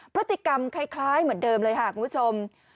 พฤติกรรมคล้ายเหมือนเดิมเลยค่ะคุณผู้ชม